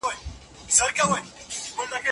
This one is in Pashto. وړې خور مې په انګړ کې لوبې کولې.